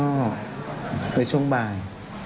เราช่องบ่าย